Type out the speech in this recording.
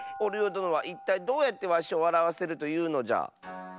どのはいったいどうやってわしをわらわせるというのじゃ？